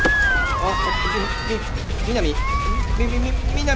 あっ。